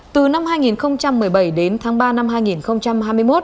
từ năm hai nghìn một mươi bảy đến tháng ba năm hai nghìn hai mươi một